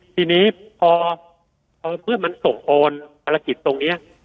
ทีนี้พอเพื่อนมันส่งโอนภารกิจตรงนี้